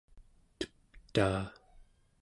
teptaa